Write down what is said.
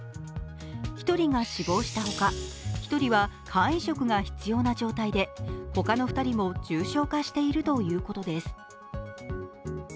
１人が死亡したほか、１人は肝移植が必要な状態で、他の２人も重症化しているということです。